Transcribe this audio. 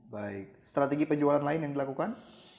baik strategi penjualan lain yang dilakukan